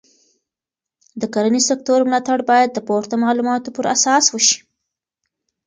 د کرنې سکتور ملاتړ باید د پورته معلوماتو پر اساس وشي.